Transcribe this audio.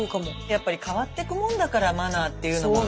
やっぱり変わってくもんだからマナーっていうのは。